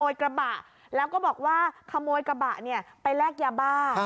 กระบะแล้วก็บอกว่าขโมยกระบะเนี่ยไปแลกยาบ้า